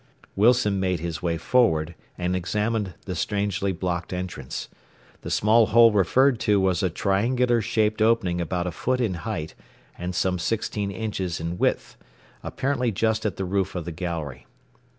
Wilson made his way forward and examined the strangely blocked entrance. The small hole referred to was a triangular shaped opening about a foot in height and some sixteen inches in width, apparently just at the roof of the gallery.